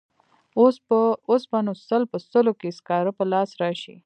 اوس به نو سل په سلو کې سکاره په لاس راشي.